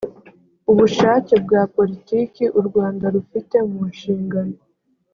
ubushake bwa politiki u rwanda rufite mu nshingano